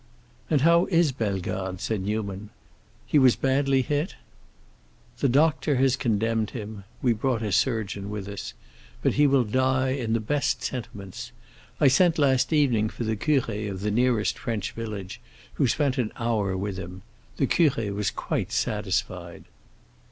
"And how is Bellegarde?" said Newman. "He was badly hit?" "The doctor has condemned him; we brought a surgeon with us. But he will die in the best sentiments. I sent last evening for the curé of the nearest French village, who spent an hour with him. The curé was quite satisfied."